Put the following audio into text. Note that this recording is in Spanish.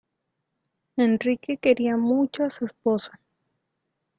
Enrique quería mucho a su esposa.